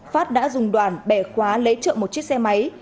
phát đã dùng đoàn bẻ khóa lấy trộm một chiếc xe máy